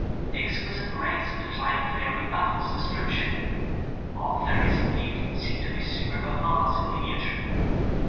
The ex quisite grace of the flying fairy baffles de scription — all fairies, indeed, seem to be super Pavlovas in miniature.